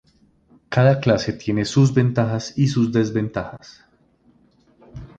Cada clase tiene sus ventajas y sus desventajas.